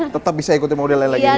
tetap bisa ikuti model yang lagi hits ya